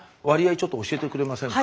ちょっと教えてくれませんか。